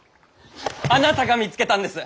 あなたが見つけたんです！